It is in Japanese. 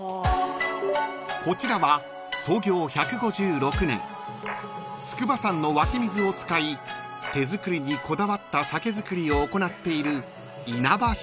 ［こちらは創業１５６年筑波山の湧き水を使い手作りにこだわった酒造りを行っている］